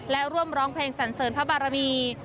และร่วมร้องเพลงสันเสริญพระบารมี